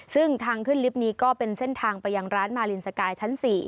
ซึ่งทางขึ้นลิฟต์นี้ก็เป็นเส้นทางไปยังร้านมาลินสกายชั้น๔